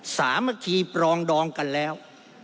สามัคคีปรองดองกันแล้ว